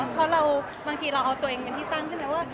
เพราะเราบางทีเราเอาตัวเองเป็นที่ตั้งใช่ไหมว่า